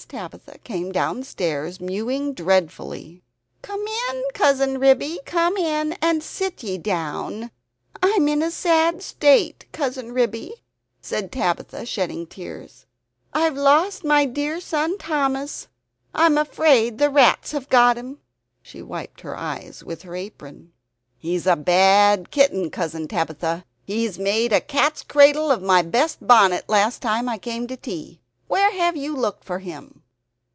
Tabitha came downstairs mewing dreadfully "Come in, Cousin Ribby, come in, and sit ye down! I'm in sad trouble, Cousin Ribby," said Tabitha, shedding tears. "I've lost my dear son Thomas; I'm afraid the rats have got him." She wiped her eyes with her apron. "He's a bad kitten, Cousin Tabitha; he made a cat's cradle of my best bonnet last time I came to tea. Where have you looked for him?"